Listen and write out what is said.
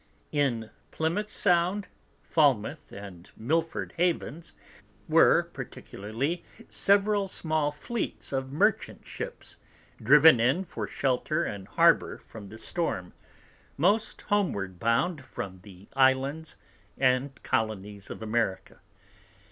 In Plymouth Sound, Falmouth and Milford Havens, were particularly several small Fleets of Merchant ships, driven in for Shelter and Harbour from the Storm, most homeward bound from the Islands and Colonies of America.